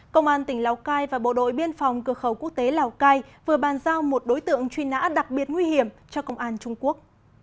công an tỉnh lào cai và bộ đội biên phòng cửa khẩu quốc tế lào cai vừa bàn giao một đối tượng truy nã đặc biệt nguy hiểm cho công an trung quốc